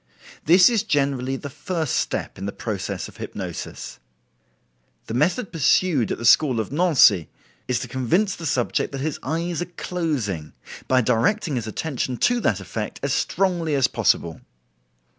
This is generally the first step in the process of hypnosis. The method pursued at the school of Nancy is to convince the subject that his eyes are closing by directing his attention to that effect as strongly as possible.